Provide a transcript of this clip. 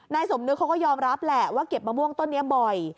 สมนึกเขาก็ยอมรับแหละว่าเก็บมะม่วงต้นนี้บ่อย